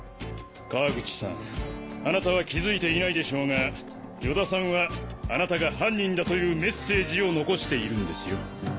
川口さんあなたは気づいていないでしょうが与田さんはあなたが犯人だというメッセージを残しているんですよ。